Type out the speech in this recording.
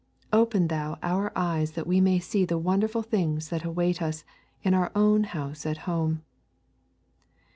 Open Thou our eyes that we may see the wonderful things that await us in our own house at home!